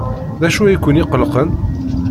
D acu ay ken-iqellqen?